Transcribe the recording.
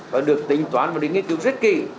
và được tính toán và đến nghiên cứu rất kỹ